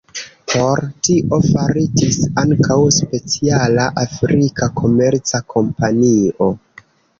Por tio faritis ankaŭ speciala afrika komerca kompanio.